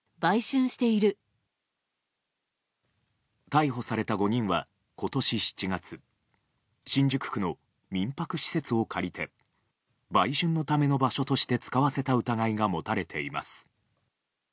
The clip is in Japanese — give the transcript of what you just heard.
逮捕された５人は今年７月新宿区の民泊施設を借りて売春のための場所として使わせた疑いが持たれています。